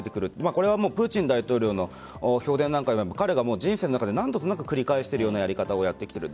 これはプーチン大統領の評伝なんかは彼は人生の中で幾度となく繰り返してるやり方をやっている。